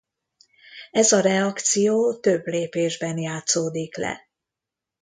Ez a reakció több lépésben játszódik le.